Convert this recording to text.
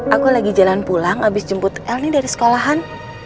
aku lagi jalan pulang abis jemput el nih dari sekolahan